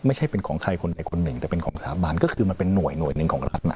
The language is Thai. ไม่ใช่เป็นของใครคนใดคนหนึ่งแต่เป็นของสถาบันก็คือมันเป็นหน่วยหนึ่งของรัฐนะ